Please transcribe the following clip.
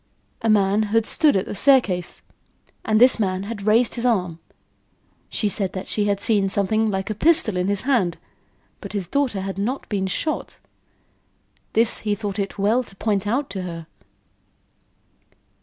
A man had stood at the staircase, and this man had raised his arm. She said that she had seen something like a pistol in his hand, but his daughter had not been shot. This he thought it well to point out to her.